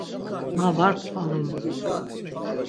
Ma var pxvalum.